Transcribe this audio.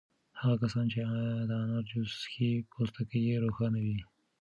هغه کسان چې د انار جوس څښي پوستکی یې روښانه وي.